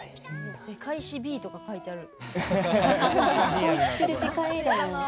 世界史Ｂとか書いてある。